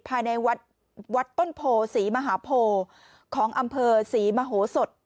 ภายในวัดวัดต้นโพศรีมหาโพของอำเภอศรีมโหสด